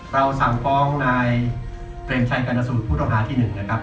เราสั่งฟ้องนายเปรมชัยกรณสูตรผู้ต้องหาที่๑นะครับ